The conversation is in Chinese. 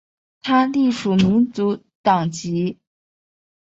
他隶属民主党籍。